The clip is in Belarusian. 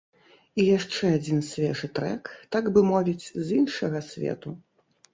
І яшчэ адзін свежы трэк, так бы мовіць, з іншага свету.